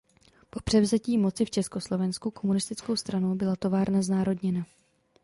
Po převzetí moci v Československu komunistickou stranou byla továrna znárodněna.